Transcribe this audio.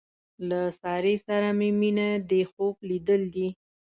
له سارې سره مې مینه دې خوب لیدل دي.